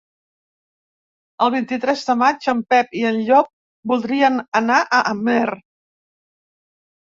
El vint-i-tres de maig en Pep i en Llop voldrien anar a Amer.